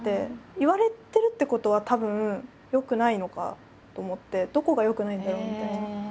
「言われてるってことはたぶん良くないのか」と思って「どこが良くないんだろう」みたいな。